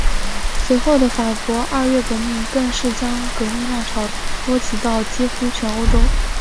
随后的法国二月革命更是将革命浪潮波及到几乎全欧洲。